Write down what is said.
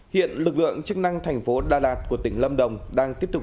hiện lực lượng chức năng thành phố đà lạt của tỉnh lâm đồng đang tiếp tục